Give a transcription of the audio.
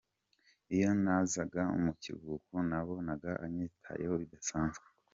Iyo nazaga mu kiruhuko, nabonaga anyitayeho bidasanzwe.